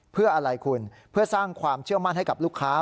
เพื่ออะไรคุณเพื่อสร้างความเชื่อมั่นให้กับลูกค้า